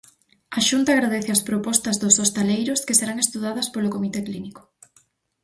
A Xunta agradece as propostas dos hostaleiros, que serán estudadas polo comité clínico.